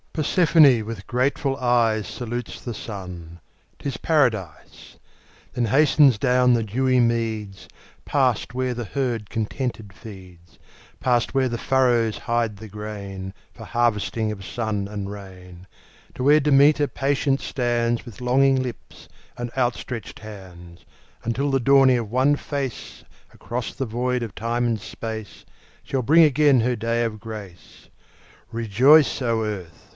Persephone with grateful eyes Salutes the Sun—'tis Paradise: Then hastens down the dewy meads, Past where the herd contented feeds, Past where the furrows hide the grain, For harvesting of sun and rain; To where Demeter patient stands With longing lips and outstretched hands, Until the dawning of one face Across the void of time and space Shall bring again her day of grace. Rejoice, O Earth!